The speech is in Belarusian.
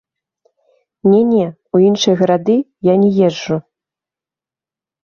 Не-не, у іншыя гарады я не езджу.